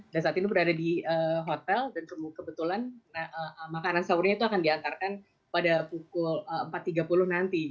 dan saat ini berada di hotel dan kebetulan makanan sahurnya akan diantarkan pada pukul empat tiga puluh nanti